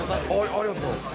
ありがとうございます。